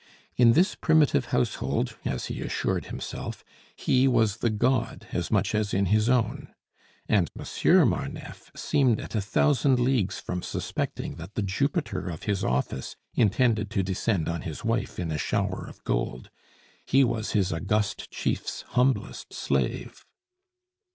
In this primitive household, as he assured himself, he was the god as much as in his own. And Monsieur Marneffe seemed at a thousand leagues from suspecting that the Jupiter of his office intended to descend on his wife in a shower of gold; he was his august chief's humblest slave.